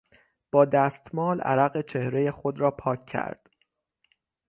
با دستمال عرق چهرهی خود را پاک کرد.